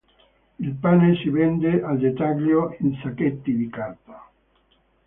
Il pane si vende al dettaglio in sacchetti di carta.